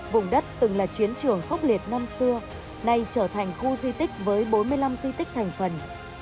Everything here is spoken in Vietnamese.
vùng đất từng là chiến trường khốc liệt năm xưa nay trở thành khu di tích với bốn mươi năm di tích thành phần